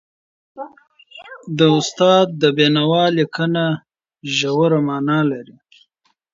د استاد د بينوا لیکنه ژوره معنا لري.